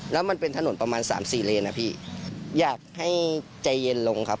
แล้วมันเป็นถนนประมาณสามสี่เลนนะพี่อยากให้ใจเย็นลงครับ